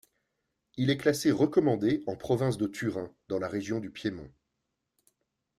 Il est classé recommandé en province de Turin dans la région du Piémont.